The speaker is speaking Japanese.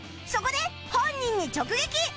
そこで本人に直撃